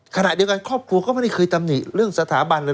ขณะเดียวกันครอบครัวก็ไม่ได้เคยตำหนิเรื่องสถาบันเลย